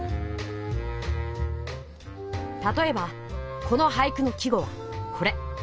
たとえばこの俳句の季語はこれ。